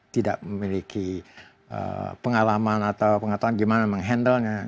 tidak memiliki pengalaman atau pengetahuan bagaimana mengendalikannya